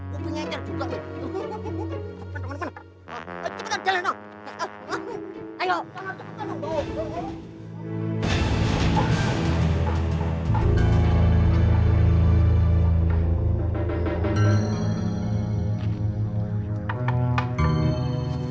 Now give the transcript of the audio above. cepetan jalan dong